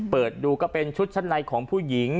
เปิดดูก็เป็นชุดชั้นในของผู้หญิง